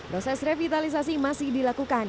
proses revitalisasi masih dilakukan